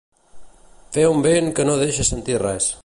Fer un vent que no deixa sentir res.